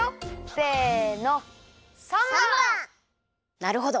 なるほど。